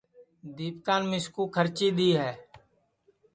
دیپکان مِسکُو کھرچی دؔی ہے